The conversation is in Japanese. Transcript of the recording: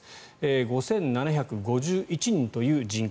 ５７５１人という人口。